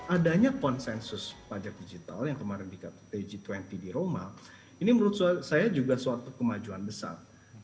adanya konsensus pajak digital yang kemarin dikatakan g dua puluh di roma ini menurut saya juga suatu kemajuan besar